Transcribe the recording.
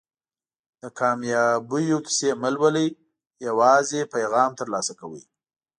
د کامیابیونې کیسې مه لولئ یوازې پیغام ترلاسه کوئ.